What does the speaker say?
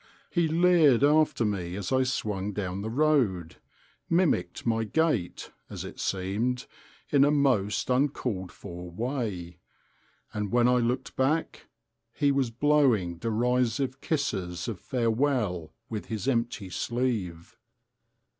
He leered after me as I swung down the road,—mimicked my gait, as it seemed, in a most uncalled for way; and when I looked back, he was blowing derisive kisses of farewell with his empty sleeve.